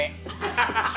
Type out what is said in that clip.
ハハハハ！